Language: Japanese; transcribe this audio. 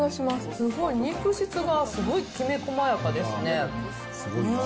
すごい肉質がすごいきめこまやかですね。